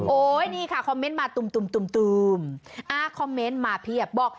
นี่ค่ะคอมเมนต์มาตุ่มอ่าคอมเมนต์มาเพียบบอก